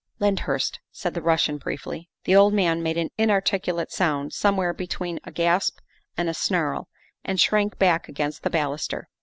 " Lyndhurst," said the Russian briefly. The old man made an inarticulate sound, somewhere between a gasp and a snarl, and shrank back against the baluster.